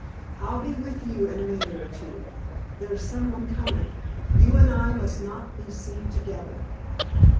I'll be with you in a minute or two. There's someone coming. You and I must not be seen together."